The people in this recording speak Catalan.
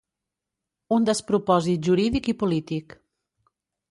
Un despropòsit jurídic i polític